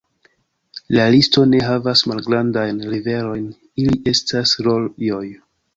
La listo ne havas malgrandajn riverojn, ili estas rojoj.